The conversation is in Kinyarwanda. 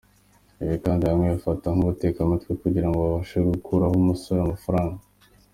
Ibi kandi bamwe babifata nk’ ubutekamutwe kugira ngo babashe gukuraho umusore amafaranga.